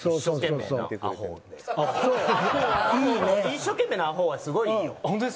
一生懸命なアホウはすごくいいよ。